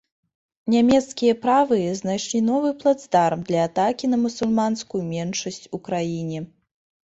Нямецкія правыя знайшлі новы плацдарм для атакі на мусульманскую меншасць у краіне.